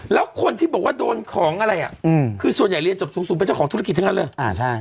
แล้วคนที่บอกว่าโดนของอะไรอ่ะคือส่วนใหญ่เรียนจบสูงเป็นเจ้าของธุรกิจทั้งนั้นเลย